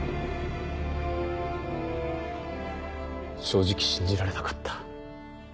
正直信じられなかった。